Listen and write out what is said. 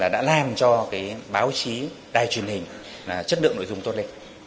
đã làm cho báo chí đài truyền hình chất lượng nội dung tốt lịch